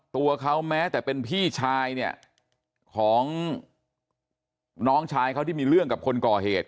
ตัวเขาแม้แต่เป็นพี่ชายเนี่ยของน้องชายเขาที่มีเรื่องกับคนก่อเหตุ